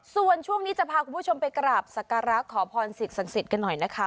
ส่วนช่วงนี้จะพาคุณผู้ชมไปกราบสักการะขอพรสิ่งศักดิ์สิทธิ์กันหน่อยนะคะ